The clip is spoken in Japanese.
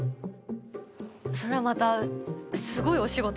それまたすごいお仕事ですね。